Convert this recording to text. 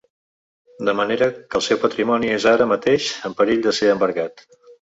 De manera que el seu patrimoni és ara mateix en perill de ser embargat.